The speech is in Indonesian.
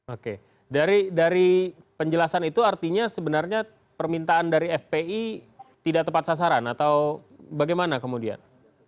oke dari penjelasan itu artinya sebenarnya permintaan dari fpi tidak tepat sasaran atau bagaimana kemudian